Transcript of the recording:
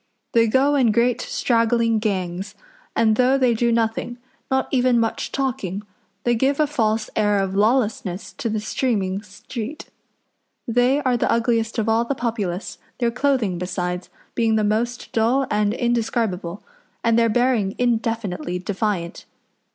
They go in great straggling gangs, and though they do nothing not even much talking they give a false air of lawlessness to the streaming street. They are the ugliest of all the populace, their clothing, besides, being the most dull and indescribable, and their bearing indefinitely defiant.